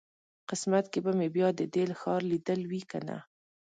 قسمت کې به مې بیا د دې ښار لیدل وي کنه.